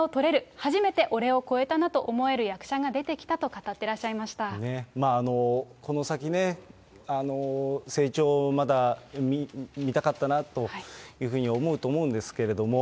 初めて俺を超えたなと思える役者が出てきたなと語ってらっしゃいこの先ね、成長をまだ見たかったなというふうに思うと思うんですけれども。